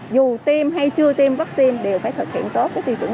dù tiêm hay chưa tiêm vaccine đều phải thực hiện tốt cái tiêu chuẩn năm k